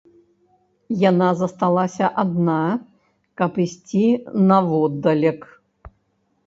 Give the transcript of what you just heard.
Яна засталася адна, каб ісці наводдалек.